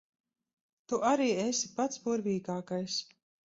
Tu arī esi pats burvīgākais.